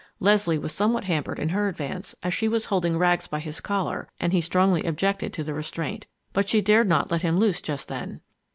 Leslie was somewhat hampered in her advance, as she was holding Rags by his collar and he strongly objected to the restraint. But she dared not let him loose just then.